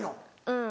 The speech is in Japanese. うん。